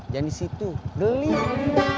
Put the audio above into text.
jangan di situ gelih